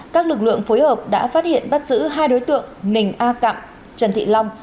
các lực lượng phối hợp đã phát hiện bắt giữ hai đối tượng ninh a cạm trần thị long